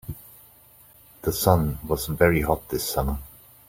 The sun was very hot this summer.